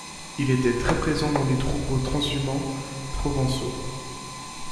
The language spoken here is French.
Il était très présent dans les troupeaux transhumants provençaux.